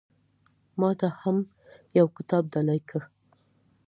ما ته هم يو کتاب ډالۍ کړه